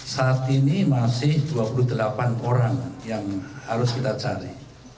saat ini masih dua puluh delapan orang yang harus kita cari